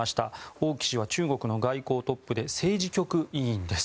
王毅氏は中国の外交トップで政治局委員です。